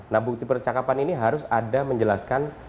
nah bukti percakapan ini harus ada menjelaskan